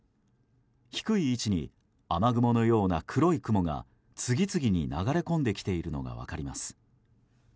低い位置に雨雲のような黒い雲が次々に流れ込んできているのが分かります。